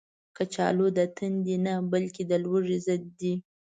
کچالو د تندې نه، بلکې د لوږې ضد دی